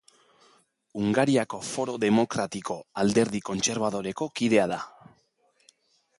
Hungariako Foro Demokratiko alderdi kontserbadoreko kidea da.